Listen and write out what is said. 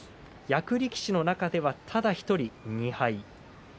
役力士の中ではただ１人２敗。